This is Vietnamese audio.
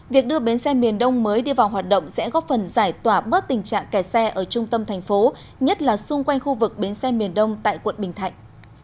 việc đưa bến xe miền đông mới đi vào hoạt động sẽ góp phần giải tỏa bớt tình trạng kẻ xe ở trung tâm thành phố nhất là xung quanh khu vực bến xe miền đông tại quận bình thạnh